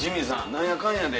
何やかんやで。